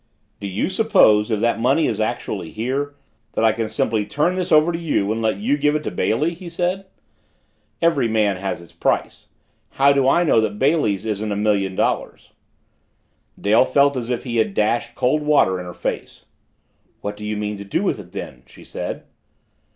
"Do you suppose, if that money is actually here, that I can simply turn this over to you and let you give it to Bailey?" he said. "Every man has his price. How do I know that Bailey's isn't a million dollars?" Dale felt as if he had dashed cold water in her face. "What do you mean to do with it then?" she said.